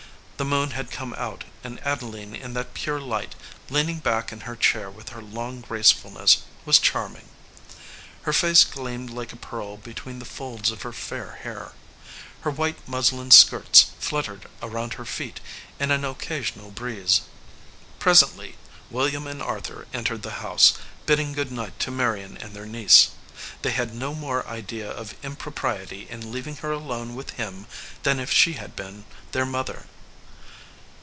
The moon had come out, and Adeline in that pure light, lean 62 THE VOICE OF THE CLOCK ing back in her chair with her long gracefulness, was charming. Her face gleamed like a pearl be tween the folds of her fair hair. Her white muslin skirts fluttered around her feet in an occasional breeze. Presently William and Arthur entered the house, bidding good night to Marion and their niece. They had no more idea of impropriety in leaving her alone with him than if she had been their mother.